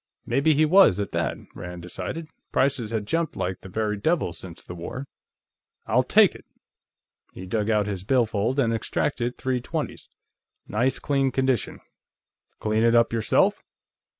Maybe he was, at that, Rand decided; prices had jumped like the very devil since the war. "I'll take it." He dug out his billfold and extracted three twenties. "Nice clean condition; clean it up yourself?"